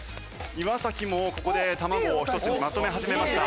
岩もここで卵を一つにまとめ始めました。